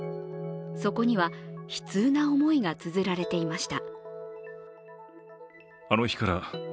そこには悲痛な思いがつづられていました。